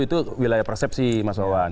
itu wilayah persepsi mas wawan